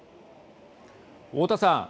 太田さん